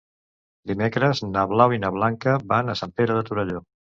Dimecres na Blau i na Blanca van a Sant Pere de Torelló.